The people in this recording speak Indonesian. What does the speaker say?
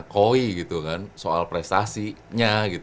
koi gitu kan soal prestasinya gitu